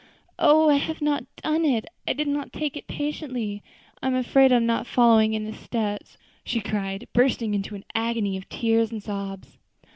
"Oh! I have not done it. I did not take it patiently. I am afraid I am not following in His steps," she cried, bursting into an agony of tears and sobs.